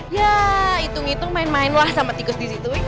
ya hitung hitung main main lah sama tikus disitu